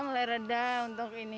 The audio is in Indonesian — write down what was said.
mulai reda untuk covid sembilan belas